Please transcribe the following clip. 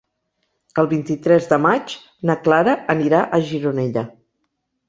El vint-i-tres de maig na Clara anirà a Gironella.